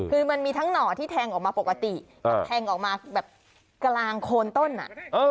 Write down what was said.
คือมันมีทั้งหน่อที่แทงออกมาปกติแบบแทงออกมาแบบกลางโคนต้นอ่ะ